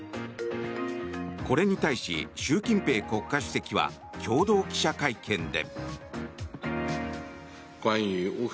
これに対し、習近平国家主席は共同記者会見で。